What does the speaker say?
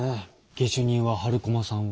下手人は春駒さんを。